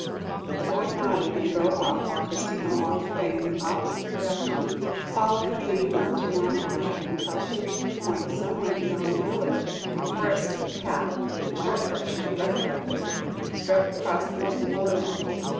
The boy nodded and drove off, whilst Christina walked away in the opposite direction, following the main road to Manborough, until she reached a point some way beyond the village, where a steep path the short cut she had recollected struck across the open moorland.